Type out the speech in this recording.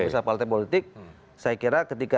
pertama partai politik